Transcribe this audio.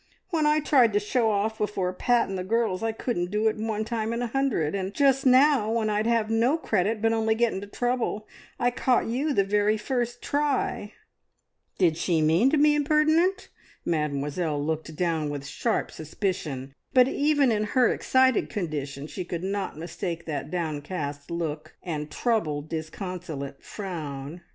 "When I tried to show off before Pat and the girls, I couldn't do it one time in a hundred, and just now, when I'd have no credit, but only get into trouble, I caught you the very first try!" Did she mean to be impertinent? Mademoiselle looked down with sharp suspicion, but even in her excited condition she could not mistake that downcast look, and troubled, disconsolate frown.